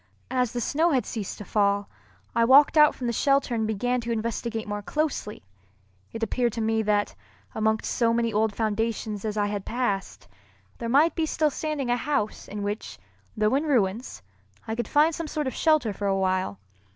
As the snow had ceased to fall, I walked out from the shelter and began to investigate more closely. It appeared to me that, amongst so many old foundations as I had passed, there might be still standing a house in which, though in ruins, I could find some sort of shelter for a while.